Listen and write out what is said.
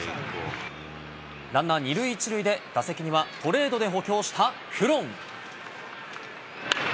ランナー２塁１塁で、打席にはトレードで補強したクロン。